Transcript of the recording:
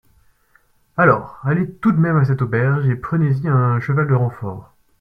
Alors allez tout de même à cette auberge et prenez-y un cheval de renfort.